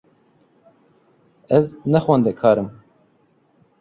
Ez ne xwendekar im.